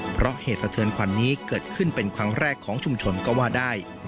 เพราะเหตุสะเทือนขวัญนี้เกิดขึ้นเป็นครั้งแรกของชุมชนก็ว่าได้